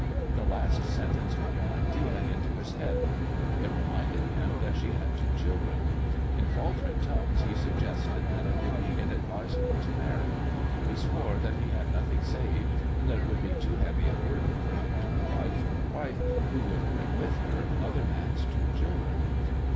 The last sentence put an idea into his head. It reminded him that she had two children. In faltering tones he suggested that it would be inadvisable to marry. He swore that he had nothing saved, and that it would be too heavy a burden for him to provide for a wife who would bring with her another man's two children.